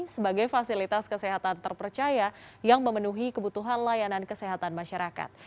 sebagai fasilitas kesehatan terpercaya yang memenuhi kebutuhan layanan kesehatan masyarakat